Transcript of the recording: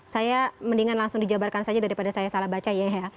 saya mendingan langsung dijabarkan saja daripada saya salah baca ya ya